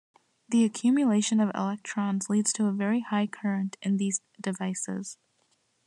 The accumulation of electrons leads to a very high current in these devices.